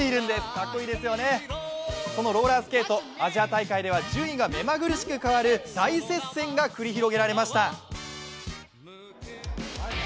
かっこいいですよね、そのローラースケート、アジア大会では順位が目まぐるしく変わる大接戦が繰り広げられました。